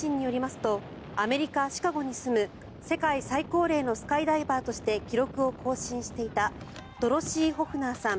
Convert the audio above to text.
ＡＰ通信によりますとアメリカ・シカゴに住む世界最高齢のスカイダイバーとして記録を更新していたドロシー・ホフナーさん